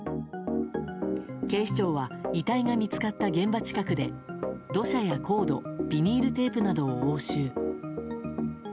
警視庁は遺体が見つかった現場近くで土砂やコードビニールテープなどを押収。